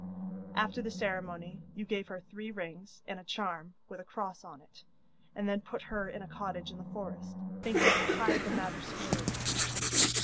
'After the ceremony you gave her three rings and a charm with a cross on it, and then put her in a cottage in the forest, thinking to hide the matter securely.